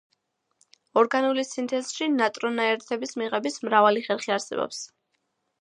ორგანული სინთეზში ნიტრონაერთების მიღების მრავალი ხერხი არსებობს.